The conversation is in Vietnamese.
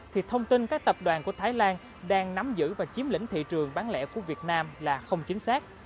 thì thông tin các tập đoàn của thái lan đang nắm giữ và chiếm lĩnh thị trường bán lẻ của việt nam là không chính xác